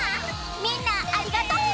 みんなありがとう！